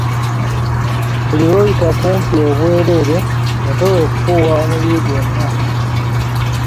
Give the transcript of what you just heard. Buli lwoyita kumpi obwereere, empewo ekufuuwa omubiri gwonna.